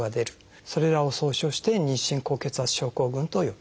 それらを総称して「妊娠高血圧症候群」と呼びます。